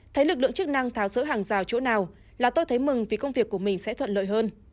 thấy lực lượng chức năng tháo rỡ hàng rào chỗ nào là tôi thấy mừng vì công việc của mình sẽ thuận lợi hơn